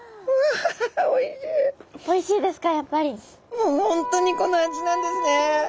もう本当にこの味なんですね。